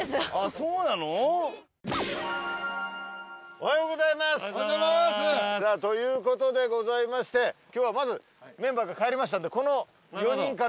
おはようございます！ということでございまして今日はまずメンバーが帰りましたんでこの４人から。